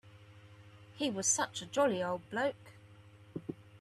He was such a jolly old bloke.